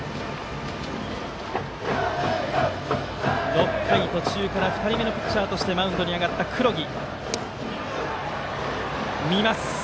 ６回途中から２人目のピッチャーとしてマウンドに上がった黒木。